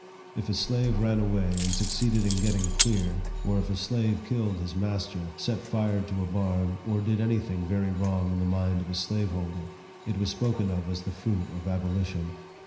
If a slave ran away and succeeded in getting clear, or if a slave killed his master, set fire to a barn, or did any thing very wrong in the mind of a slaveholder, it was spoken of as the fruit of abolition.